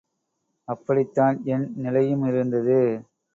அப்படித்தான் என் நிலையுமிருந்தது.